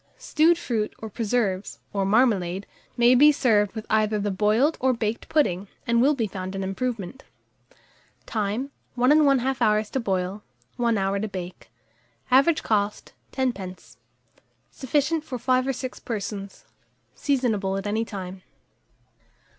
Stewed fruit, or preserves, or marmalade, may be served with either the boiled or baked pudding, and will be found an improvement. Time. 1 1/2 hour to boil, 1 hour to bake. Average cost, 10d. Sufficient for 5 or 6 persons. Seasonable at any time.